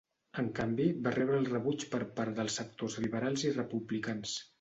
En canvi, va rebre el rebuig per part dels sectors liberals i republicans.